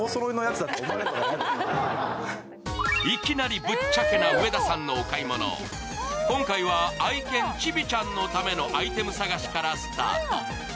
いきなりぶっちゃけな上田さんのお買い物、今回は愛犬・チビちゃんのためのアイテム探しからスタート。